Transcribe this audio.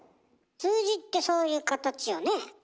数字ってそういう形よね。